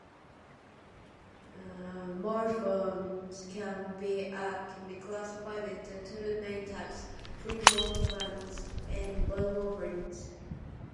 Morphemes can be classified into two main types - free morphemes and bound morphemes.